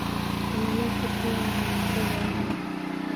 somanet kotinyei kimnatet kowal ngueny